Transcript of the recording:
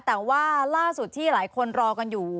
แต่ว่าล่าสุดที่หลายคนรอกันอยู่